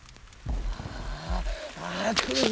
あぁくるぞ！